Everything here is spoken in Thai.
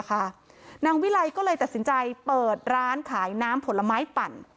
นางวิไลก็เลยตัดสินใจเปิดร้านขายน้ำผลไม้ปั่น